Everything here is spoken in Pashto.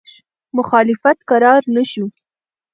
مخالفت کرار نه شو.